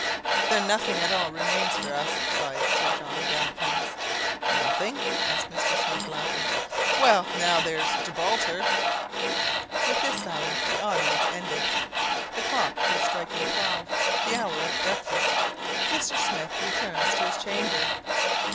"Then nothing at all remains for us!" sighed Sir John, downcast. "Nothing?" asked Mr. Smith, laughing. "Well, now, there's Gibraltar!" With this sally the audience ended. The clock was striking twelve, the hour of breakfast. Mr. Smith returns to his chamber.